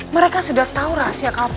mereka sudah tahu rahasia kapan